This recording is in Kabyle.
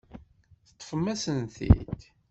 Teṭṭfem-asen-t-id.